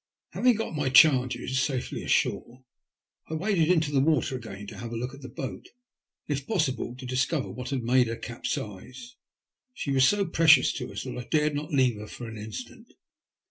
Having got my charges safely ashore, I waded into the water again to have a look at the boat and, if possible, to discover what had made her capsize. She was so precious to us that I dared not leave her for an instant.